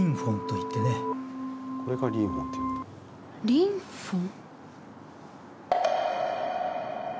リンフォン？